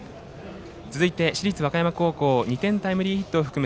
続いて、市立和歌山高校２点タイムリーヒットを含む